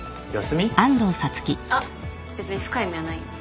あっ別に深い意味はないよ。